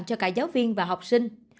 cho cả giáo viên và học sinh